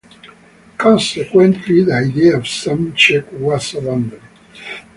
Consequently the idea of sum checks was abandoned.